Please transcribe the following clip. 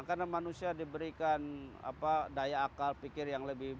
karena manusia diberikan daya akal pikir yang lebih baik